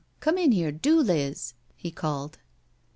Come in here do, Liz," he called.